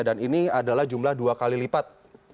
dan ini adalah jumlah dua kali lipat